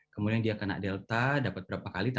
kemudian dia kena delta dapat berapa kali